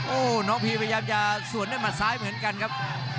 โอ้โหน้องพีพยายามจะสวนด้วยหมัดซ้ายเหมือนกันครับ